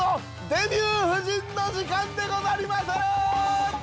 「デビュー夫人」の時間でござりまする！